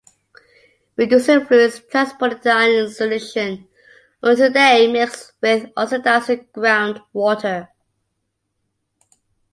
Reducing fluids transported the iron in solution until they mixed with oxidizing groundwater.